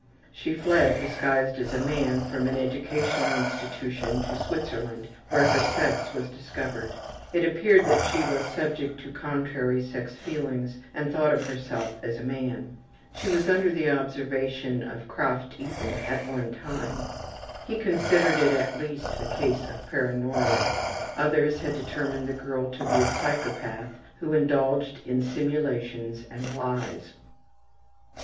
She fled disguised as a man from an educational institution to Switzerland where her sex was discovered. It appeared that she was subject to contrary sex feelings and thought of herself as a man. She was under the observation of Krafft Ebing at one time. He considered it at least as a case of paranoia. Others had determined the girl to be a psychopath who indulged in simulations and lies.